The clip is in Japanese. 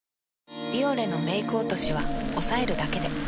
「ビオレ」のメイク落としはおさえるだけで。